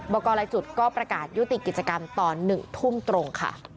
กรหลายจุดก็ประกาศยุติกิจกรรมตอน๑ทุ่มตรงค่ะ